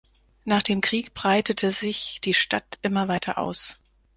Nach dem Krieg breitete sich die Stadt immer weiter aus.